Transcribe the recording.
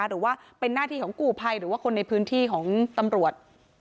หรือว่าเป็นหน้าที่ของกู้ภัยหรือว่าคนในพื้นที่ของตำรวจ